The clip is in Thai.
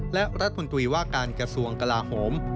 และรัฐมนตรีว่าการกระทรวงกลาโหม